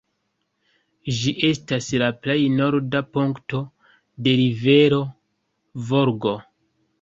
Ĝi estas la plej norda punkto de rivero Volgo.